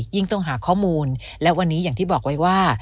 ต้องหาข้อมูลและวันนี้อย่างที่บอกไว้ว่า